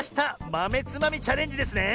まめつまみチャレンジですね！